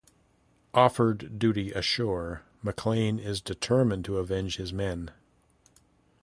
Offered duty ashore, MacClain is determined to avenge his men.